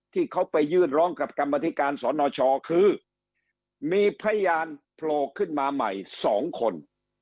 ที่เขาไปยื่นร้องกับกรรมธิการสนชคือมีพยานโผล่ขึ้นมาใหม่๒คน